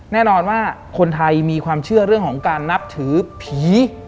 แน่นอนว่าคนไทยมีความเชื่อเรื่องของการนับถือผี